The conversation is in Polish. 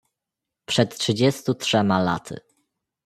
"„Przed trzydziestu trzema laty."